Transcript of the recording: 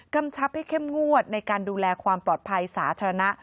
กำชับให้เข้มงวดในการดูแลความปลอดภัยสาธารณะ